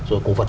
rồi cổ vật